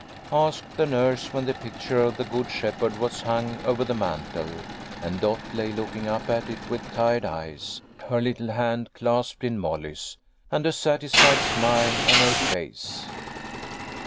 " asked the nurse, when the picture of the Good Shep herd was hung over the mantel, and Dot lay looking up at it with tired eyes, her little hand clasped in Molly's, and a satisfied smile on her face.